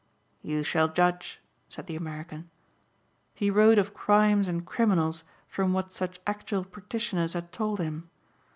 "You shall judge," said the American. "He wrote of crimes and criminals from what such actual practitioners had told him.